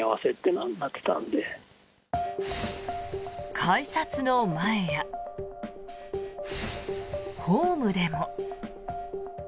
改札の前やホームでも。